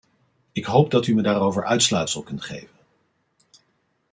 Ik hoop dat u me daarover uitsluitsel kunt geven.